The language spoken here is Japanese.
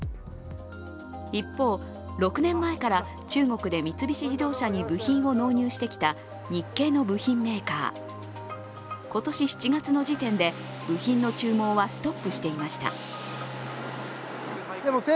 一方、６年前から中国で三菱重工業に部品を納入してきた日系の部品メーカー、今年７月の時点で部品の注文はストップしていました。